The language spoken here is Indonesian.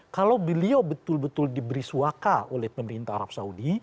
kalau beliau betul betul diberi suaka oleh pemerintah arab saudi